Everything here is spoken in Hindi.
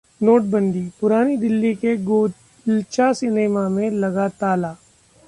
नोटबंदी: पुरानी दिल्ली के गोलचा सिनेमा में लगा ताला